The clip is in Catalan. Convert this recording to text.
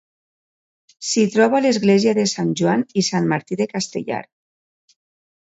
S'hi troba l'església de Sant Joan i Sant Martí de Castellar.